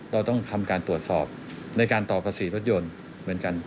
เราต้องทำการตรวจสอบในการต่อภาษีรถยนต์เหมือนกัน